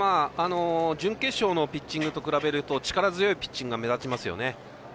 準決勝のピッチングと比べると力強いピッチングが目立ちますね。